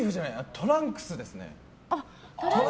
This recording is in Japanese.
トランクスですね。